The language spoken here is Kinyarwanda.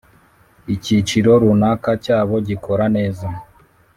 icyiciro runaka cyabo gikora neza.